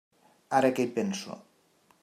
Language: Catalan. Ara que hi penso.